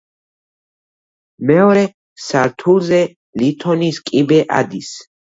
მეორე სართულზე ლითონის კიბე ადის.